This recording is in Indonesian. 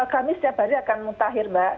kami setiap hari akan mutakhir mbak